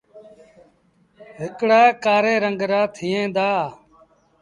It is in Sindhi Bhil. هڪڙآ ڪآري رنگ رآ ٿئيٚݩ دآ۔